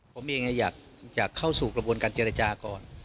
ผมเองอยากเข้าสู่กระบวนการเจรจาก่อน